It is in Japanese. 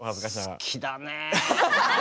好きだねえ。